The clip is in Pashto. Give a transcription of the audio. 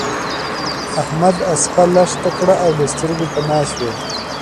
احمد اسپه لښته کړه او له سترګو پنا شو.